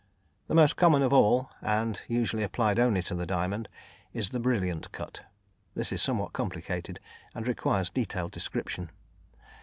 The most common of all, and usually applied only to the diamond, is the "brilliant" cut. This is somewhat complicated, and requires detailed description.